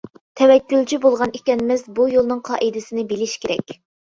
تەۋەككۈلچى بولغان ئىكەنمىز بۇ يولنىڭ قائىدىسىنى بىلىش كېرەك.